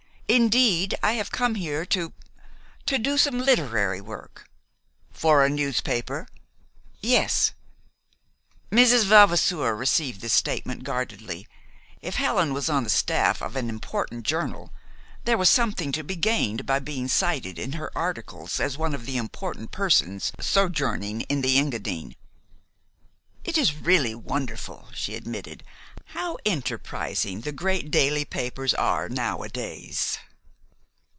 "Indeed, I have come here to to do some literary work." "For a newspaper?" "Yes." Mrs. Vavasour received this statement guardedly. If Helen was on the staff of an important journal there was something to be gained by being cited in her articles as one of the important persons "sojourning" in the Engadine. "It is really wonderful," she admitted, "how enterprising the great daily papers are nowadays."